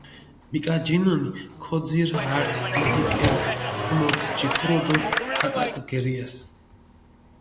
მიკაჯინჷნი, ქოძირჷ ართი დიდი კერქჷ ქომორთჷ ჯიქურო დო ქატაკჷ გერიასჷ.